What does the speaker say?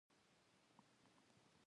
احمده! خوله دې ايله کړې ده؛ ګډې وډې وايې.